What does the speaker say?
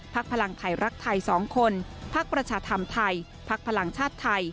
ภักดิ์พลังไทยรักไทย๒คนภักดิ์ประชาธรรมไทยภักดิ์พลังชาติไทย